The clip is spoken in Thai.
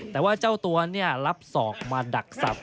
แต่ว่าเจ้าตัวรับศอกมาดักสับ